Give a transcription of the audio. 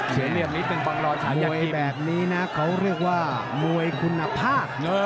เสียเรียบนิดหนึ่งบังรอนสายอย่างทิมมวยแบบนี้นะเขาเรียกว่ามวยคุณภาค